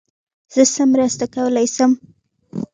زه څه مرسته کولای سم.